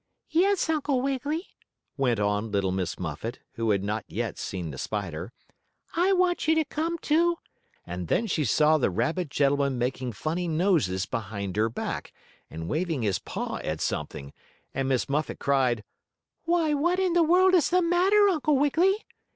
"Yes, Uncle Wiggily," went on little Miss Muffet, who had not yet seen the spider. "I want you to come to " and then she saw the rabbit gentleman making funny noses behind her back, and waving his paw at something, and Miss Muffet cried: "Why, what in the world is the matter, Uncle Wiggily?